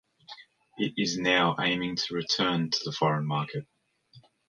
It is now aiming to return to the foreign market.